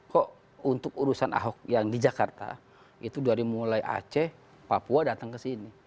kok untuk urusan ahok yang di jakarta itu dari mulai aceh papua datang ke sini